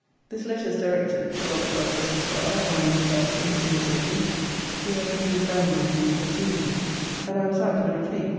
This letter is directed, To Robert Lovelace, Esq. or, in his absence, to his Lady. She has refused dining with me, or seeing me: and I was out when it came.